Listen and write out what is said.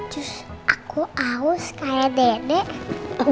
cus aku aus kayak dedek